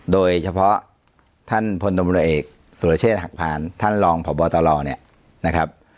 โดยเฉพาะท่านพลตำรวจเอกสุรเชษฐ์หักผ่านท่านรองพบตรเนี่ยนะครับ